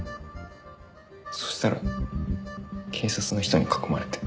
そしたら警察の人に囲まれて。